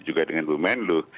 juga dengan bumenlu